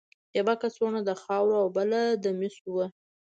یوه کڅوړه د خاورو او بله د مسو وه.